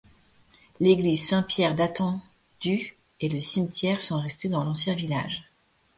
L'église Saint-Pierre datant du et le cimetière sont restés dans l'ancien village.